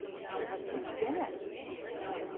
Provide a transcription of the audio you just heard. İçsene.